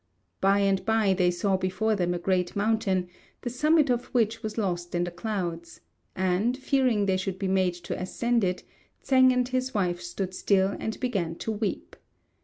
By and by they saw before them a great mountain, the summit of which was lost in the clouds; and, fearing they should be made to ascend it, Tsêng and his wife stood still and began to weep.